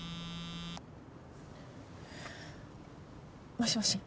もしもし。